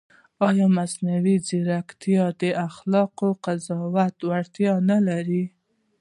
ایا مصنوعي ځیرکتیا د اخلاقي قضاوت وړتیا نه لري؟